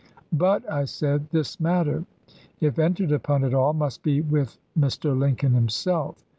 But,' I said, * this matter, if entered upon at all, must be with Mr. Lincoln himself.